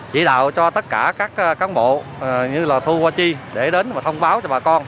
chỉ đạo cho tất cả các cán bộ như là thu qua chi để đến và thông báo cho bà con